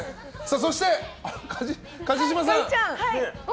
そして、鍛冶島さん。